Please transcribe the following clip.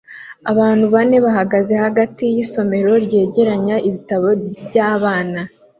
Abantu bane bahagaze hagati yisomero ryegeranya ibitabo byabana